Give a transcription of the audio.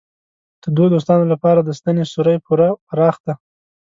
د دوو دوستانو لپاره د ستنې سوری پوره پراخ دی.